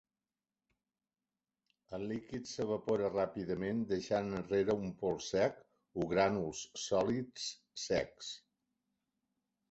El líquid s"evapora ràpidament deixant enrere un pols sec o grànuls sòlids secs.